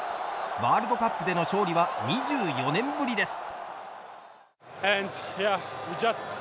ワールドカップでの勝利は２４年ぶりです。